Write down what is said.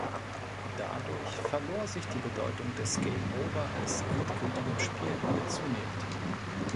Dadurch verlor sich die Bedeutung des "Game over" als endgültigem Spielende zunehmend.